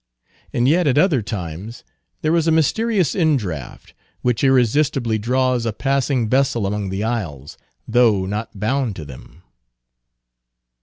And yet, at other times, there is a mysterious indraft, which irresistibly draws a passing vessel among the isles, though not bound to them.